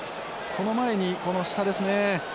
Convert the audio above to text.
その前にこの下ですね。